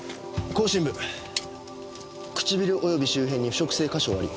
口唇部唇および周辺に腐食性火傷あり。